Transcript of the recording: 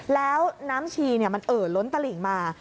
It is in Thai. แล้วน้ำชีมันเอ่อล้นตลิ่งมา